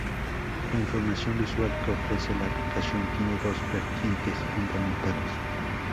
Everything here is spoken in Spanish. La información visual que ofrece la aplicación tiene dos vertientes fundamentales.